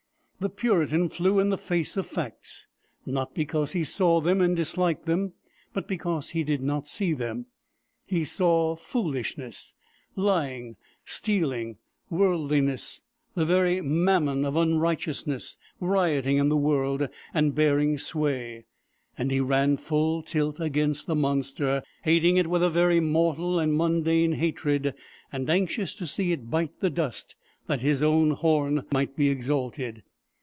The Puritan flew in the face of facts, not because he saw them and disliked them, but because he did not see them. He saw foolishness, lying, stealing, worldliness, the very mammon of unrighteousness rioting in the world and bearing sway, and he ran full tilt against the monster, hating it with a very mortal and mundane hatred, and anxious to see it bite the dust that his own horn might be exalted.